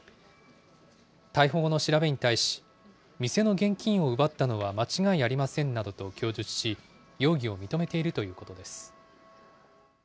逮捕後の調べに対し、店の現金を奪ったのは間違いありませんなどと供述し、容疑を認めているということです。